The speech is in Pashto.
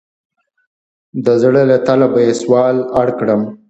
د زړه له تله به یې سوال اړ کړم.